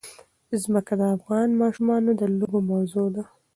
ځمکه د افغان ماشومانو د لوبو موضوع ده.